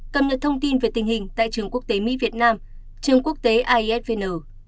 cập nhật thông tin về tình hình tại trường quốc tế mỹ việt nam trường quốc tế isvn